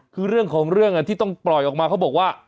คือเรื่องของเรื่องที่ต้องปล่อยออกมาเขาบอกว่า